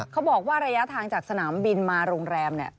เขาบอกว่าระยะทางจากสนามบินมาโรงแรม